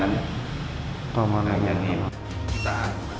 lalu ya untuk lingkarannya terus buat lamanan